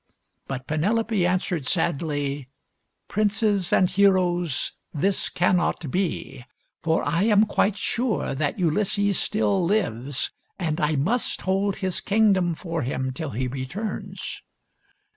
But Penelope answered sadly, " Princes and heroes, this cannot be ; for I am quite sure that Ulysses still lives, and I must hold his kingdom for him till he returns."